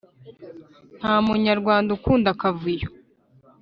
Nta munyarwanda ukunda akavuyo